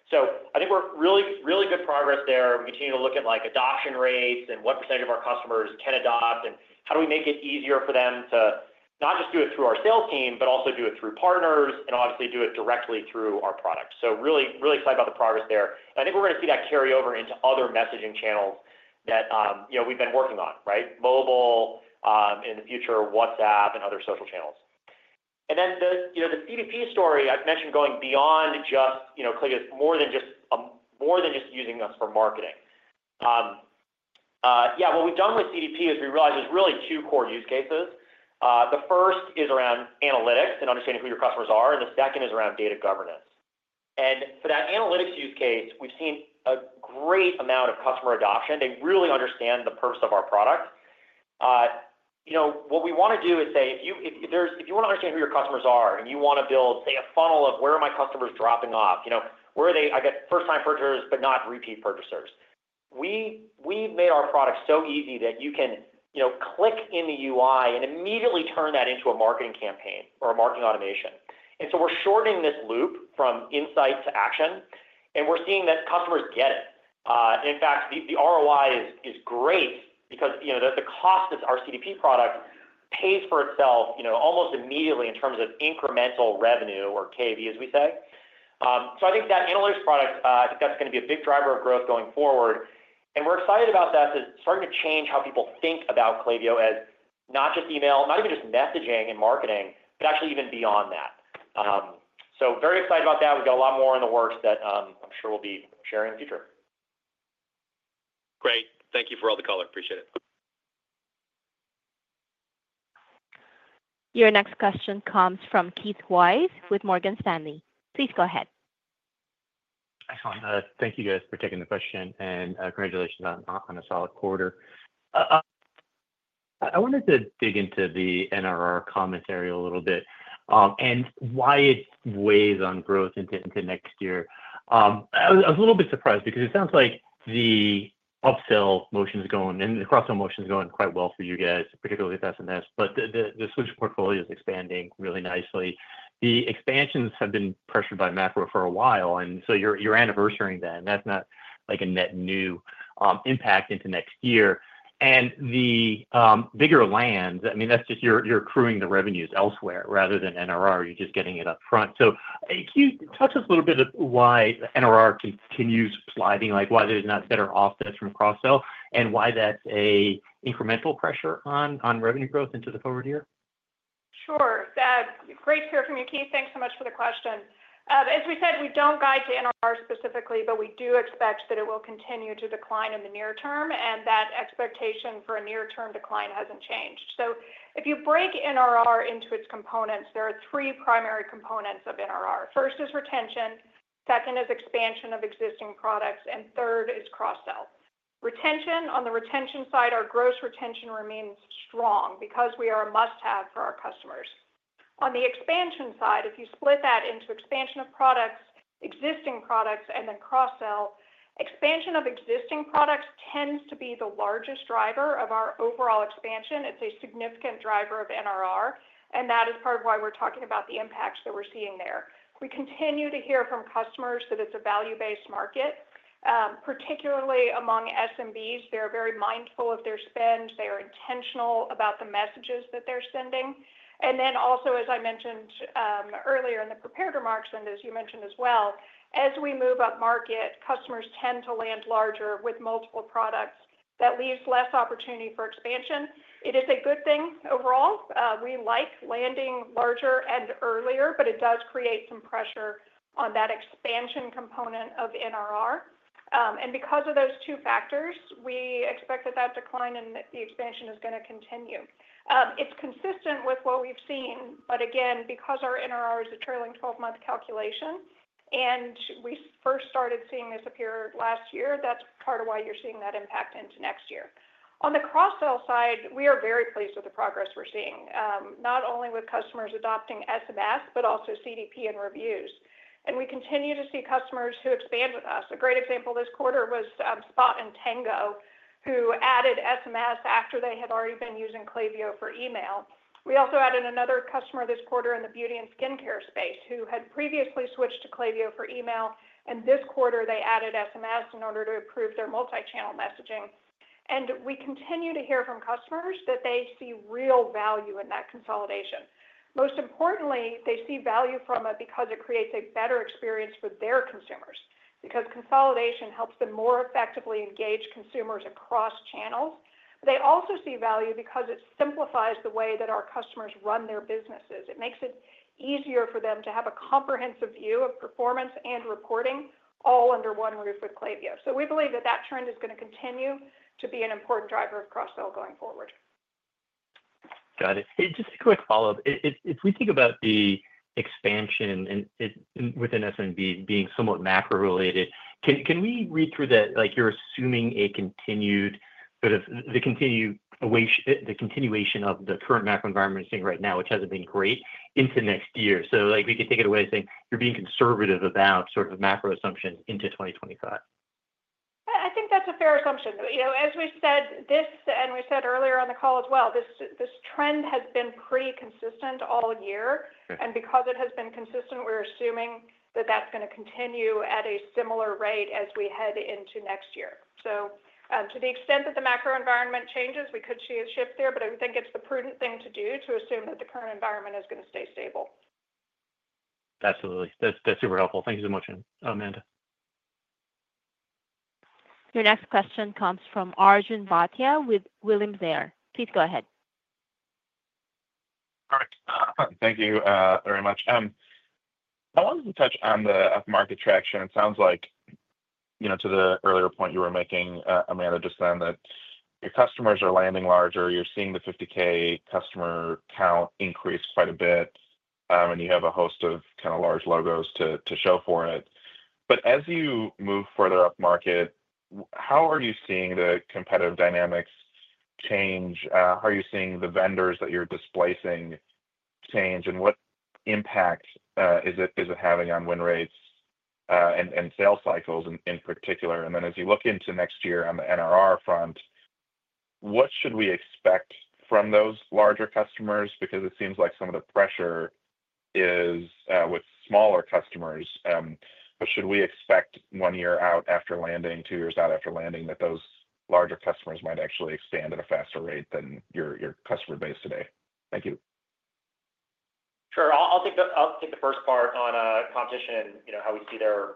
So I think we're making really good progress there. We continue to look at adoption rates and what percentage of our customers can adopt, and how do we make it easier for them to not just do it through our sales team, but also do it through partners and obviously do it directly through our product. So really excited about the progress there. I think we're going to see that carry over into other messaging channels that we've been working on, right? Mobile, in the future, WhatsApp, and other social channels. Then the CDP story I've mentioned: going beyond just Klaviyo is more than just using us for marketing. Yeah. What we've done with CDP is we realized there's really two core use cases. The first is around analytics and understanding who your customers are, and the second is around data governance. For that analytics use case, we've seen a great amount of customer adoption. They really understand the purpose of our product. What we want to do is say, if you want to understand who your customers are and you want to build, say, a funnel of where are my customers dropping off, where are they, I guess, first-time purchasers, but not repeat purchasers, we've made our product so easy that you can click in the UI and immediately turn that into a marketing campaign or a marketing automation. So we're shortening this loop from insight to action, and we're seeing that customers get it. In fact, the ROI is great because the cost of our CDP product pays for itself almost immediately in terms of incremental revenue or KAV, as we say. So I think that analytics product, I think that's going to be a big driver of growth going forward, and we're excited about that. It's starting to change how people think about Klaviyo as not just email, not even just messaging and marketing, but actually even beyond that. So very excited about that. We've got a lot more in the works that I'm sure we'll be sharing in the future. Great. Thank you for all the color. Appreciate it. Your next question comes from Keith Weiss with Morgan Stanley. Please go ahead. Excellent. Thank you, guys, for taking the question, and congratulations on a solid quarter. I wanted to dig into the NRR commentary a little bit and why it weighs on growth into next year. I was a little bit surprised because it sounds like the upsell motion is going and the cross-sell motion is going quite well for you guys, particularly with SMS, but the self-serve portfolio is expanding really nicely. The expansions have been pressured by macro for a while, and so your anniversary then, that's not a net new impact into next year and the bigger lands, I mean, that's just you're accruing the revenues elsewhere rather than NRR. You're just getting it upfront. So can you touch on a little bit why NRR continues sliding, why there's not better offsets from cross-sell, and why that's an incremental pressure on revenue growth into the forward year? Sure. Great to hear from you, Keith. Thanks so much for the question. As we said, we don't guide to NRR specifically, but we do expect that it will continue to decline in the near term, and that expectation for a near-term decline hasn't changed. So if you break NRR into its components, there are three primary components of NRR. First is retention. Second is expansion of existing products, and third is cross-sell. Retention. On the retention side, our gross retention remains strong because we are a must-have for our customers. On the expansion side, if you split that into expansion of products, existing products, and then cross-sell, expansion of existing products tends to be the largest driver of our overall expansion. It's a significant driver of NRR, and that is part of why we're talking about the impacts that we're seeing there. We continue to hear from customers that it's a value-based market, particularly among SMBs. They're very mindful of their spend. They are intentional about the messages that they're sending. Then also, as I mentioned earlier in the prepared remarks, and as you mentioned as well, as we move up market, customers tend to land larger with multiple products. That leaves less opportunity for expansion. It is a good thing overall. We like landing larger and earlier, but it does create some pressure on that expansion component of NRR, and because of those two factors, we expect that that decline in the expansion is going to continue. It's consistent with what we've seen, but again, because our NRR is a trailing 12-month calculation, and we first started seeing this appear last year, that's part of why you're seeing that impact into next year. On the cross-sell side, we are very pleased with the progress we're seeing, not only with customers adopting SMS, but also CDP and reviews. We continue to see customers who expand with us. A great example this quarter was Spot & Tango, who added SMS after they had already been using Klaviyo for email. We also added another customer this quarter in the beauty and skincare space who had previously switched to Klaviyo for email, and this quarter, they added SMS in order to improve their multi-channel messaging. We continue to hear from customers that they see real value in that consolidation. Most importantly, they see value from it because it creates a better experience for their consumers because consolidation helps them more effectively engage consumers across channels. They also see value because it simplifies the way that our customers run their businesses. It makes it easier for them to have a comprehensive view of performance and reporting all under one roof with Klaviyo. So we believe that that trend is going to continue to be an important driver of cross-sell going forward. Got it. Just a quick follow-up. If we think about the expansion within SMB being somewhat macro-related, can we read through that you're assuming a continued sort of the continuation of the current macro environment we're seeing right now, which hasn't been great, into next year? So we could take it away as saying you're being conservative about sort of macro assumptions into 2025. I think that's a fair assumption. As we said, and we said earlier on the call as well, this trend has been pretty consistent all year and because it has been consistent, we're assuming that that's going to continue at a similar rate as we head into next year. So to the extent that the macro environment changes, we could see a shift there, but I think it's the prudent thing to do to assume that the current environment is going to stay stable. Absolutely. That's super helpful. Thank you so much, Amanda. Your next question comes from Arjun Bhatia with William Blair. Please go ahead. All right. Thank you very much. I wanted to touch on the market traction. It sounds like, to the earlier point you were making, Amanda, just then that your customers are landing larger. You're seeing the 50K customer count increase quite a bit, and you have a host of kind of large logos to show for it. But as you move further up market, how are you seeing the competitive dynamics change? How are you seeing the vendors that you're displacing change, and what impact is it having on win rates and sales cycles in particular? Then as you look into next year on the NRR front, what should we expect from those larger customers because it seems like some of the pressure is with smaller customers. But should we expect one year out after landing, two years out after landing, that those larger customers might actually expand at a faster rate than your customer base today? Thank you. Sure. I'll take the first part on competition and how we see their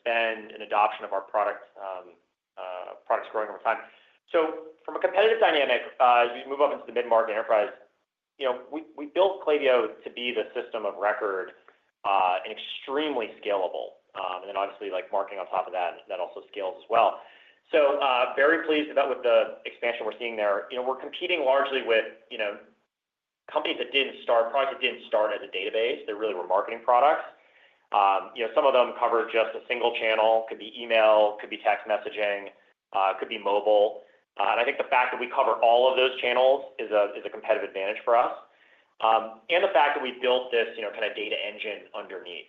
spend and adoption of our products growing over time. So from a competitive dynamic, as we move up into the mid-market enterprise, we built Klaviyo to be the system of record and extremely scalable and then obviously, marketing on top of that, that also scales as well. So very pleased with the expansion we're seeing there. We're competing largely with companies that didn't start, products that didn't start as a database. They really were marketing products. Some of them cover just a single channel. It could be email, could be text messaging, could be mobile. I think the fact that we cover all of those channels is a competitive advantage for us and the fact that we built this kind of data engine underneath.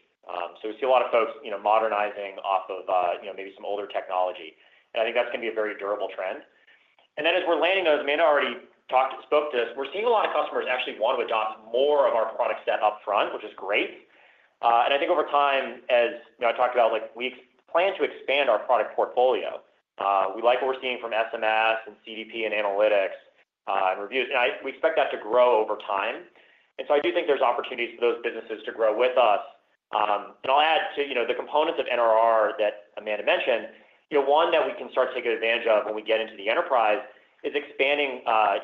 So we see a lot of folks modernizing off of maybe some older technology. I think that's going to be a very durable trend. Then as we're landing those, Amanda already spoke to this, we're seeing a lot of customers actually want to adopt more of our product set upfront, which is great. I think over time, as I talked about, we plan to expand our product portfolio. We like what we're seeing from SMS and CDP and analytics and reviews and we expect that to grow over time. So I do think there's opportunities for those businesses to grow with us. I'll add to the components of NRR that Amanda mentioned, one that we can start to take advantage of when we get into the enterprise is expanding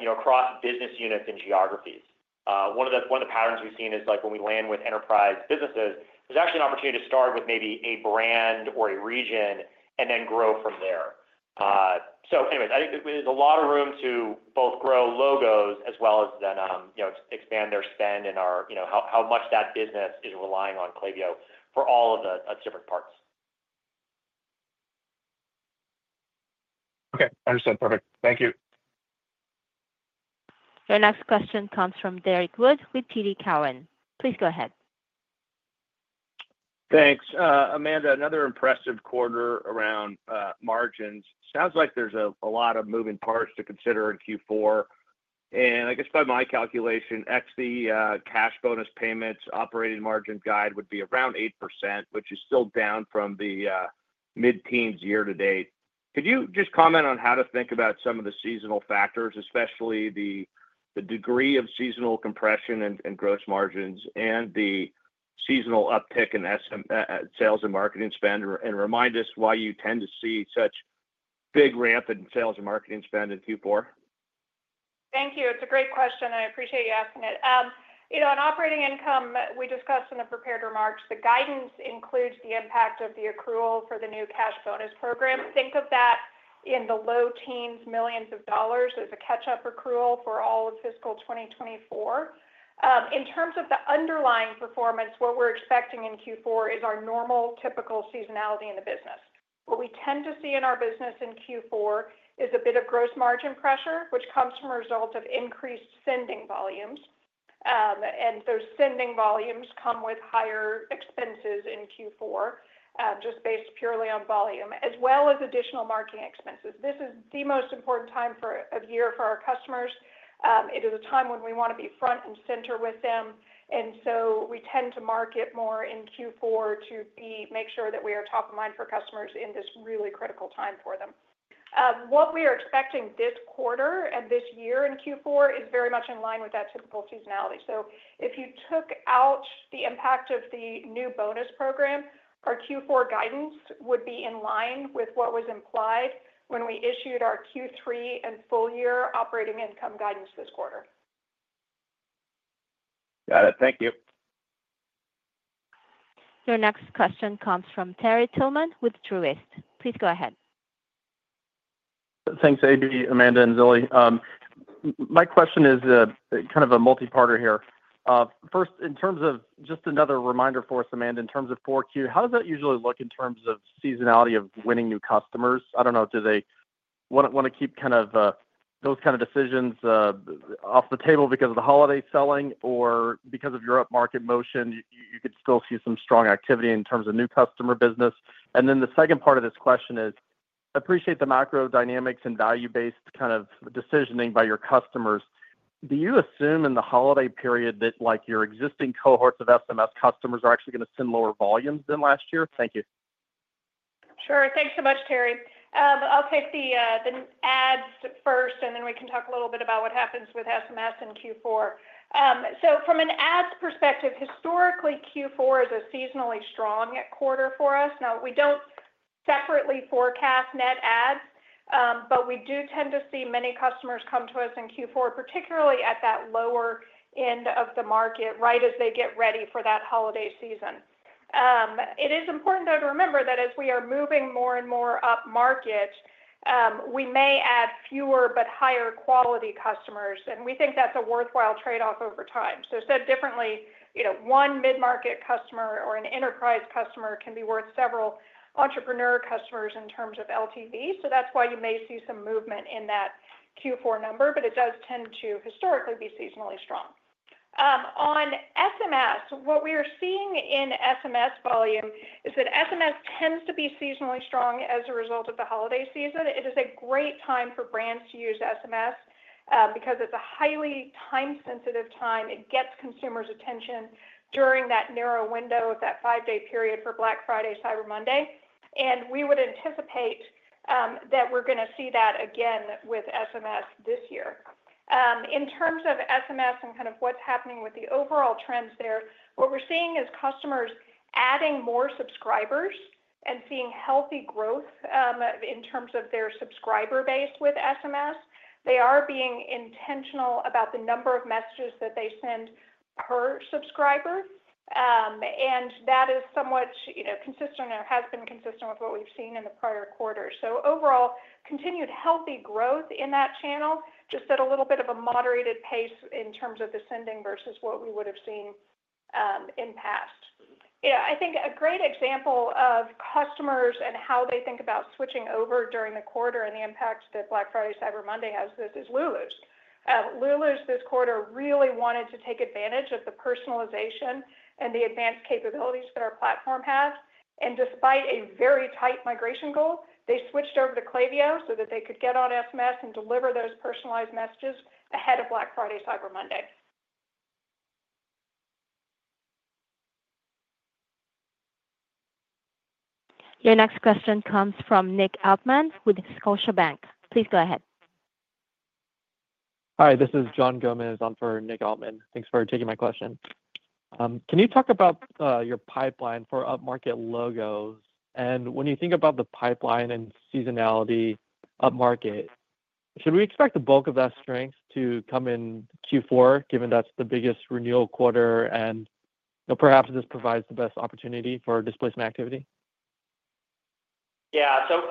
across business units and geographies. One of the patterns we've seen is when we land with enterprise businesses, there's actually an opportunity to start with maybe a brand or a region and then grow from there. So anyways, I think there's a lot of room to both grow logos as well as then expand their spend and how much that business is relying on Klaviyo for all of the different parts. Okay. Understood. Perfect. Thank you. Your next question comes from Derek Wood with TD Cowen. Please go ahead. Thanks. Amanda, another impressive quarter around margins. Sounds like there's a lot of moving parts to consider in Q4 and I guess by my calculation, ex the cash bonus payments operating margin guide would be around 8%, which is still down from the mid-teens year to date. Could you just comment on how to think about some of the seasonal factors, especially the degree of seasonal compression and gross margins and the seasonal uptick in sales and marketing spend, and remind us why you tend to see such big ramp in sales and marketing spend in Q4? Thank you. It's a great question. I appreciate you asking it. On operating income, we discussed in the prepared remarks, the guidance includes the impact of the accrual for the new cash bonus program. Think of that in the low teens millions of dollars as a catch-up accrual for all of fiscal 2024. In terms of the underlying performance, what we're expecting in Q4 is our normal typical seasonality in the business. What we tend to see in our business in Q4 is a bit of gross margin pressure, which comes from a result of increased sending volumes, and those sending volumes come with higher expenses in Q4, just based purely on volume, as well as additional marketing expenses. This is the most important time of year for our customers. It is a time when we want to be front and center with them, and so we tend to market more in Q4 to make sure that we are top of mind for customers in this really critical time for them. What we are expecting this quarter and this year in Q4 is very much in line with that typical seasonality. So if you took out the impact of the new bonus program, our Q4 guidance would be in line with what was implied when we issued our Q3 and full-year operating income guidance this quarter. Got it. Thank you. Your next question comes from Terry Tillman with Truist. Please go ahead. Thanks, AB, Amanda, and Zilli. My question is kind of a multi-parter here. First, in terms of just another reminder for us, Amanda, in terms of 4Q, how does that usually look in terms of seasonality of winning new customers? I don't know. Do they want to keep kind of those kind of decisions off the table because of the holiday selling or because of your upmarket motion? You could still see some strong activity in terms of new customer business. Then the second part of this question is, I appreciate the macro dynamics and value-based kind of decisioning by your customers. Do you assume in the holiday period that your existing cohorts of SMS customers are actually going to send lower volumes than last year? Thank you. Sure. Thanks so much, Terry. I'll take the ads first, and then we can talk a little bit about what happens with SMS in Q4. So from an ads perspective, historically, Q4 is a seasonally strong quarter for us. Now, we don't separately forecast net adds, but we do tend to see many customers come to us in Q4, particularly at that lower end of the market, right as they get ready for that holiday season. It is important, though, to remember that as we are moving more and more up market, we may add fewer but higher quality customers and we think that's a worthwhile trade-off over time. So said differently, one mid-market customer or an enterprise customer can be worth several entrepreneur customers in terms of LTV. So that's why you may see some movement in that Q4 number, but it does tend to historically be seasonally strong. On SMS, what we are seeing in SMS volume is that SMS tends to be seasonally strong as a result of the holiday season. It is a great time for brands to use SMS because it's a highly time-sensitive time. It gets consumers' attention during that narrow window of that five-day period for Black Friday, Cyber Monday and we would anticipate that we're going to see that again with SMS this year. In terms of SMS and kind of what's happening with the overall trends there, what we're seeing is customers adding more subscribers and seeing healthy growth in terms of their subscriber base with SMS. They are being intentional about the number of messages that they send per subscriber and that is somewhat consistent or has been consistent with what we've seen in the prior quarter. So overall, continued healthy growth in that channel, just at a little bit of a moderated pace in terms of the sending versus what we would have seen in past. Yeah, I think a great example of customers and how they think about switching over during the quarter and the impact that Black Friday, Cyber Monday has with this is Lulus. Lulus, this quarter, really wanted to take advantage of the personalization and the advanced capabilities that our platform has and despite a very tight migration goal, they switched over to Klaviyo so that they could get on SMS and deliver those personalized messages ahead of Black Friday, Cyber Monday. Your next question comes from Nick Altman with Scotiabank. Please go ahead. Hi, this is John Gomez on for Nick Altman. Thanks for taking my question. Can you talk about your pipeline for upmarket logos? When you think about the pipeline and seasonality upmarket, should we expect the bulk of that strength to come in Q4, given that's the biggest renewal quarter and perhaps this provides the best opportunity for displacement activity? Yeah. So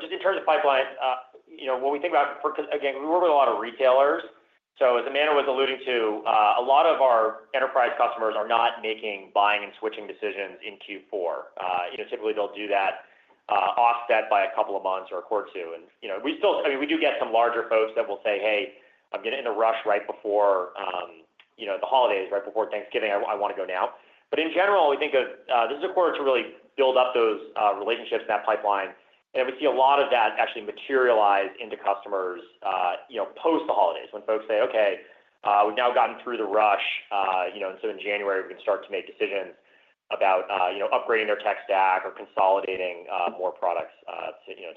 just in terms of pipeline, what we think about, again, we work with a lot of retailers. So as Amanda was alluding to, a lot of our enterprise customers are not making buying and switching decisions in Q4. Typically, they'll do that offset by a couple of months or a quarter or two. I mean, we do get some larger folks that will say, "Hey, I'm getting in a rush right before the holidays, right before Thanksgiving. I want to go now." But in general, we think of this is a quarter to really build up those relationships in that pipeline. We see a lot of that actually materialize into customers post the holidays when folks say, "Okay, we've now gotten through the rush, and so in January, we can start to make decisions about upgrading their tech stack or consolidating more products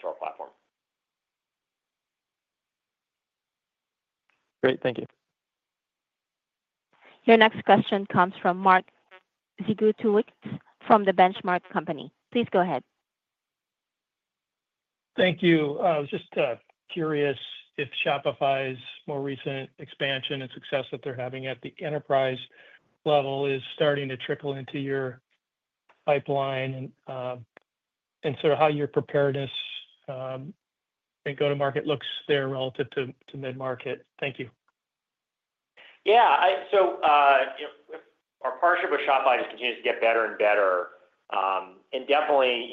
to our platform." Great. Thank you. Your next question comes from Mark Zgutowicz from The Benchmark Company. Please go ahead. Thank you. I was just curious if Shopify's more recent expansion and success that they're having at the enterprise level is starting to trickle into your pipeline and sort of how your preparedness and go-to-market looks there relative to mid-market? Thank you. Yeah. So our partnership with Shopify just continues to get better and better. Definitely,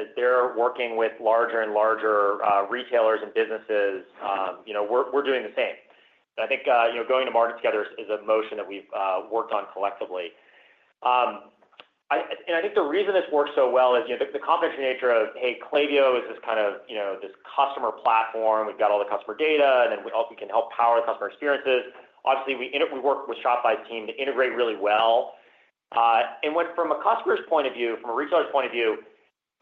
as they're working with larger and larger retailers and businesses, we're doing the same. I think going to market together is a motion that we've worked on collectively. I think the reason this works so well is the complex nature of, "Hey, Klaviyo is this kind of customer platform. We've got all the customer data, and then we can help power the customer experiences." Obviously, we work with Shopify's team to integrate really well. From a customer's point of view, from a retailer's point of view,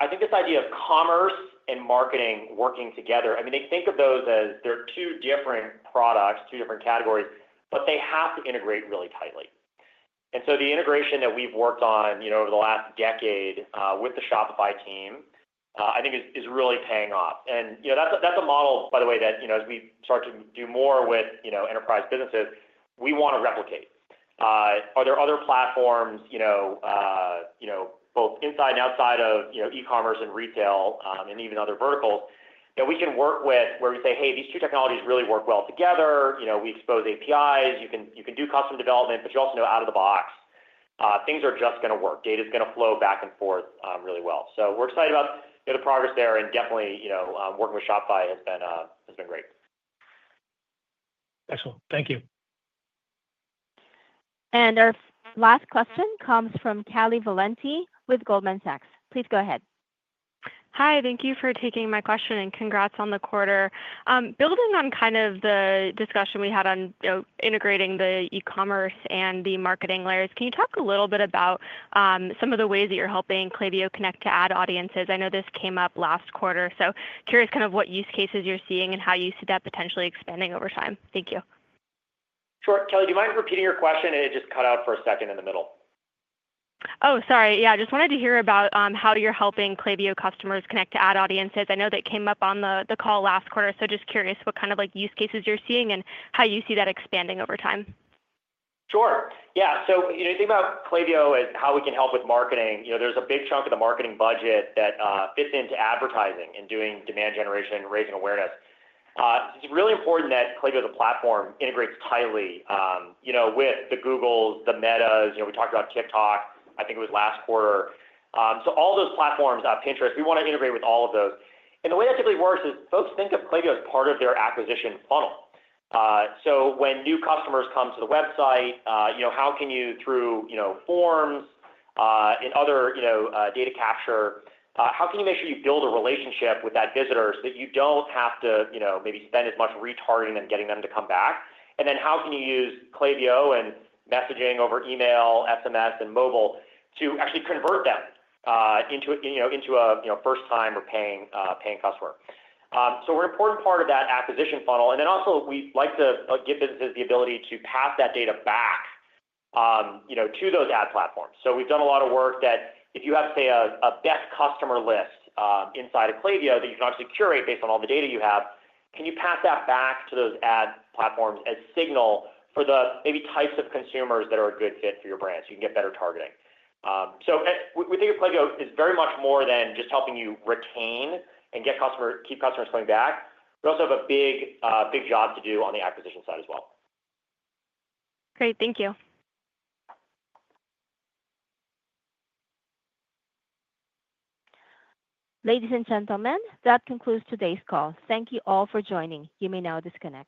I think this idea of commerce and marketing working together, I mean, they think of those as they're two different products, two different categories, but they have to integrate really tightly. So the integration that we've worked on over the last decade with the Shopify team, I think, is really paying off. That's a model, by the way, that as we start to do more with enterprise businesses, we want to replicate. Are there other platforms, both inside and outside of e-commerce and retail and even other verticals that we can work with where we say, "Hey, these two technologies really work well together. We expose APIs. You can do custom development, but you also know out of the box, things are just going to work.? Data is going to flow back and forth really well." So we're excited about the progress there. And definitely, working with Shopify has been great. Excellent. Thank you. Our last question comes from Callie Valenti with Goldman Sachs. Please go ahead. Hi. Thank you for taking my question and congrats on the quarter. Building on kind of the discussion we had on integrating the e-commerce and the marketing layers, can you talk a little bit about some of the ways that you're helping Klaviyo connect to ad audiences? I know this came up last quarter. So curious kind of what use cases you're seeing and how you see that potentially expanding over time. Thank you. Sure. Callie, do you mind repeating your question? It just cut out for a second in the middle. Oh, sorry. Yeah. I just wanted to hear about how you're helping Klaviyo customers connect to ad audiences. I know that came up on the call last quarter. So just curious what kind of use cases you're seeing and how you see that expanding over time. Sure. Yeah. So think about Klaviyo and how we can help with marketing. There's a big chunk of the marketing budget that fits into advertising and doing demand generation, raising awareness. It's really important that Klaviyo as a platform integrates tightly with the Googles, the Metas. We talked about TikTok, I think it was last quarter. So all those platforms, Pinterest, we want to integrate with all of those. T the way that typically works is folks think of Klaviyo as part of their acquisition funnel. So when new customers come to the website, how can you, through forms and other data capture, how can you make sure you build a relationship with that visitor so that you don't have to maybe spend as much retargeting and getting them to come back? Then how can you use Klaviyo and messaging over email, SMS, and mobile to actually convert them into a first-time or paying customer? So we're an important part of that acquisition funnel and then also, we'd like to give businesses the ability to pass that data back to those ad platforms. So we've done a lot of work that if you have, say, a best customer list inside of Klaviyo that you can obviously curate based on all the data you have, can you pass that back to those ad platforms as signal for the maybe types of consumers that are a good fit for your brand so you can get better targeting? So we think of Klaviyo as very much more than just helping you retain and keep customers coming back. We also have a big job to do on the acquisition side as well. Great. Thank you. Ladies and gentlemen, that concludes today's call. Thank you all for joining. You may now disconnect.